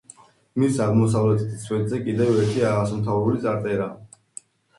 მის აღმოსავლეთით სვეტზე კიდევ ერთი ასომთავრული წარწერაა.